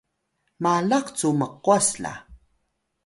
malax cu mqwas la